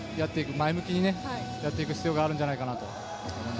前向きにやっていく必要があるんじゃないかなと思います。